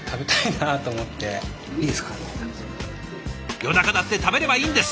夜中だって食べればいいんです。